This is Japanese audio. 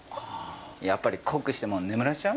やっぱり濃くして眠らせちゃう？